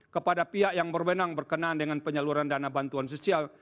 kepada pihak yang berwenang berkenaan dengan penyaluran dana bantuan sosial